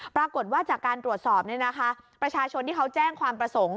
ปรากฏว่าจากการตรวจสอบประชาชนที่เขาแจ้งความประสงค์